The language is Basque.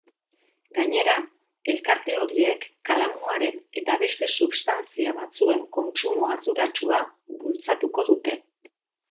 Gainera, elkarte horiek kalamuaren eta beste substantzia batzuen kontsumo arduratsua bultzatuko dute.